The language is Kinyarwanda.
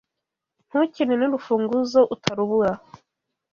Ntukine nurufunguzo utarubura!